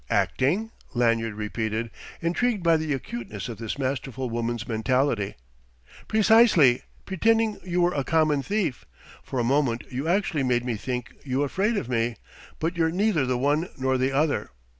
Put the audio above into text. "Acting?" Lanyard repeated, intrigued by the acuteness of this masterful woman's mentality. "Precisely pretending you were a common thief. For a moment you actually made me think you afraid of me. But you're neither the one nor the other.